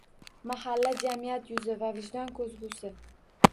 Mahalla – jamiyat yuzi va vijdon ko‘zgusi